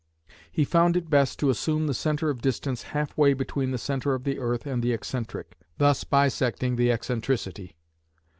He found it best to assume the centre of distance half way between the centre of the earth and the excentric, thus "bisecting the excentricity".